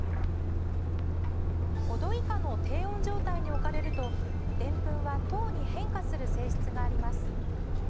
５℃以下の低温状態に置かれるとでんぷんは糖に変化する性質があります。